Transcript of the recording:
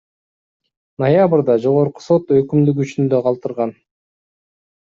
Ноябрда Жогорку сот өкүмдү күчүндө калтырган.